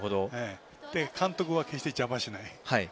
監督は決して邪魔しない。